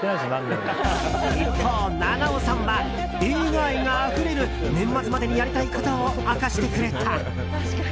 一方、菜々緒さんは映画愛があふれる年末までにやりたいことを明かしてくれた。